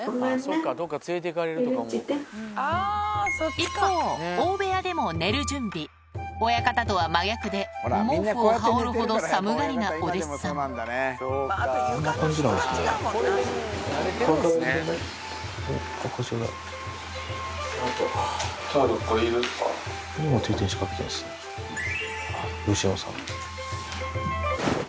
一方親方とは真逆で毛布を羽織るほど寒がりなお弟子さん吉野さん。